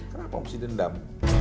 kenapa harus dendam